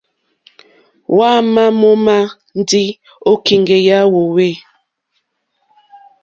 Hwámà mǒmá ndí ô kíŋgɛ̀ yà hwòhwê.